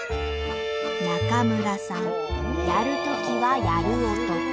中村さんやるときはやる男。